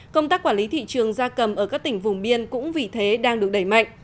các quản lý thị trường gia cầm ở các tỉnh vùng biên cũng vì thế đang được đẩy mạnh